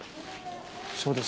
そうですか。